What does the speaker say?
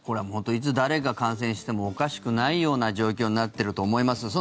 いつ誰が感染してもおかしくないような状況になっていると思います。